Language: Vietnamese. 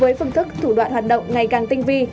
với phương thức thủ đoạn hoạt động ngày càng tinh vi